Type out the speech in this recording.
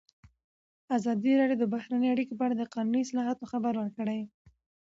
ازادي راډیو د بهرنۍ اړیکې په اړه د قانوني اصلاحاتو خبر ورکړی.